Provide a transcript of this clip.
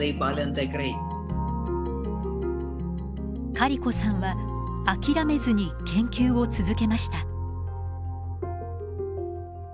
カリコさんは諦めずに研究を続けました。